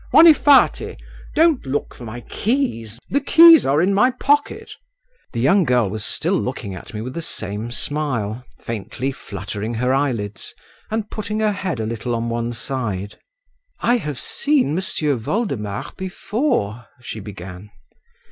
Vonifaty! don't look for my keys; the keys are in my pocket." The young girl was still looking at me with the same smile, faintly fluttering her eyelids, and putting her head a little on one side. "I have seen Monsieur Voldemar before," she began.